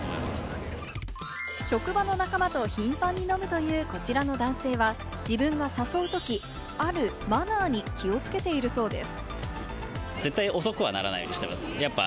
職場の仲間と頻繁に飲むという、こちらの男性は自分が誘うとき、あるマナーに気をつけているそうです。